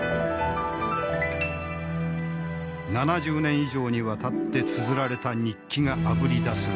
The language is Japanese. ７０年以上にわたってつづられた日記があぶり出す